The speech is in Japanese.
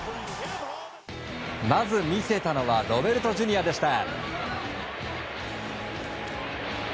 まず、見せたのはロベルトＪｒ．でした。